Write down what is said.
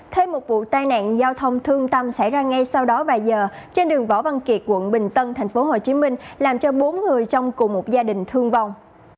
thêm một vụ tai nạn giao thông thương tâm xảy ra ngay sau đó vài giờ trên đường võ văn kiệt quận bình tân tp hcm làm cho bốn người trong cùng một gia đình thương vong